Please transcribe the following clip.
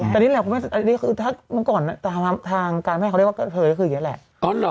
แต่นี่แหละคุณแม่ถ้าเมื่อก่อนตามทางการแม่เขาเรียกว่าเธอคืออย่างนี้แหละ